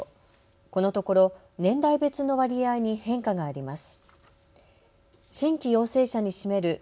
このところ年代別の割合に変化があります。